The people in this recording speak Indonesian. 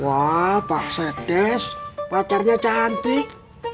wah pak setes pacarnya cantik